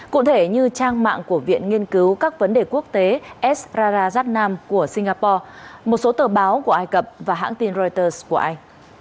cụ thể như trang mạng của viện nghiên cứu các vấn đề quốc tế s prazabnam của singapore một số tờ báo của ai cập và hãng tin reuters của anh